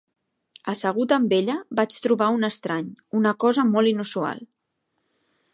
Assegut amb ella, vaig trobar un estrany, una cosa molt inusual.